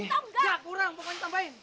gak kurang pokoknya tambahin